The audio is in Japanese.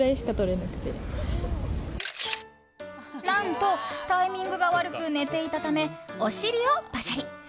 何と、タイミングが悪く寝ていたためお尻をパシャリ。